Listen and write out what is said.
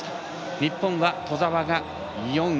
日本は兎澤が４位。